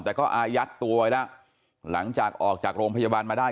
แต่ก็อายัดตัวไว้แล้วหลังจากออกจากโรงพยาบาลมาได้